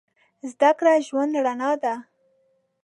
زده کړه د ژوند رڼا ده.